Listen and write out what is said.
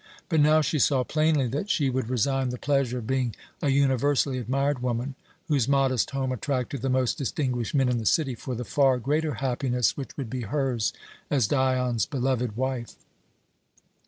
But now she saw plainly that she would resign the pleasure of being a universally admired woman, whose modest home attracted the most distinguished men in the city, for the far greater happiness which would be hers as Dion's beloved wife.